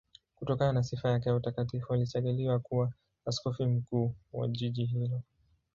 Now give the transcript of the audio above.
Kutokana na sifa yake ya utakatifu alichaguliwa kuwa askofu mkuu wa jiji hilo.